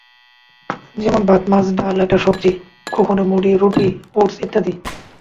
যেমন ভাত, মাছ, ডাল, একটা সবজি, কখনো মুড়ি, রুটি, ওটস ইত্যাদি।